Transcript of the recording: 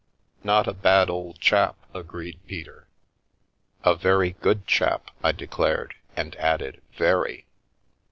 " Not a bad old chap," agreed Peter. " A very good chap," I declared, and added, " very."